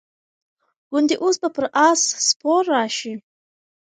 ګوندي اوس به پر آس سپور راشي.